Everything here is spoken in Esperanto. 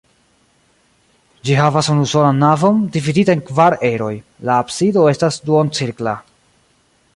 Ĝi havas unusolan navon, dividita en kvar eroj; la absido estas duoncirkla.